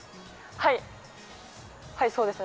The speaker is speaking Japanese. はい、そうですね。